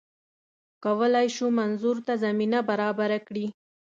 کولای شو منظور ته زمینه برابره کړي